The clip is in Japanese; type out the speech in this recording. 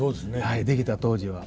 はい出来た当時は。